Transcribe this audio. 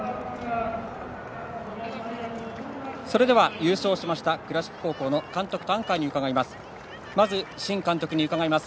優勝しました倉敷高校の監督とアンカーに伺います。